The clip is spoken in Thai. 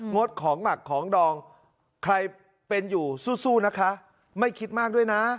ดของหมักของดองใครเป็นอยู่สู้นะคะไม่คิดมากด้วยนะ